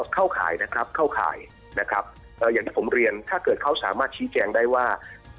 เข้าข่ายนะครับเข้าข่ายนะครับอย่างที่ผมเรียนถ้าเกิดเขาสามารถชี้แจงได้ว่า